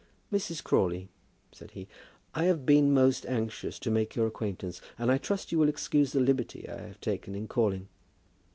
"Mrs. Crawley," said he, "I have been most anxious to make your acquaintance, and I trust you will excuse the liberty I have taken in calling."